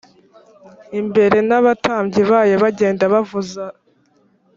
imbere n abatambyi bayo bagenda bavuza